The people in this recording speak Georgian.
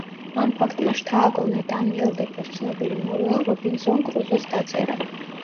ამ ფაქტმა შთააგონა დანიელ დეფოს ცნობილი ნოველა „რობინზონ კრუზოს“ დაწერა.